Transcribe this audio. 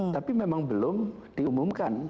tapi memang belum diumumkan